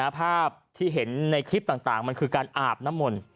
ภาพที่เห็นในคลิปต่างมันคือการอาบน้ำมนต์